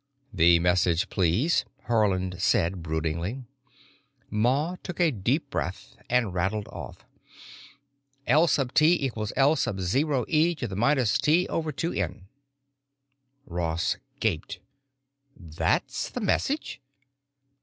"The message, please," Haarland said broodingly. Ma took a deep breath and rattled off: "L sub T equals L sub zero e to the minus T over two N." Ross gaped. "That's the message?"